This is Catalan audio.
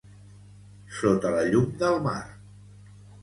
"Sota la llum del mar"